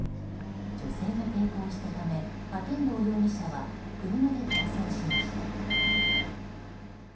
女性が抵抗したため阿天坊容疑者は車で逃走しました。